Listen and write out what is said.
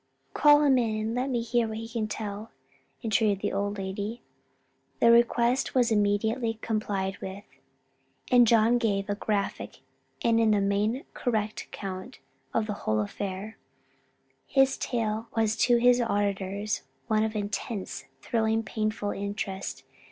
"Oh call him in and let me hear all he can tell!" entreated the old lady. The request was immediately complied with, and John gave a graphic and in the main correct account of the whole affair. His tale was to all his auditors one of intense, thrilling, painful interest.